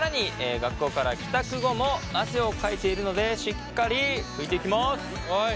学校から帰宅後も汗をかいているのでしっかり拭いていきます。